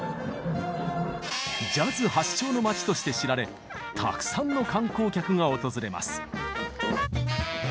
ジャズ発祥の街として知られたくさんの観光客が訪れます。